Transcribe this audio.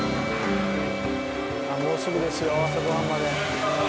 もうすぐですよ朝ご飯まで。